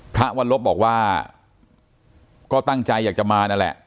พระวันลบบอกว่าก็ตั้งใจอยากจะมานั่นแหละ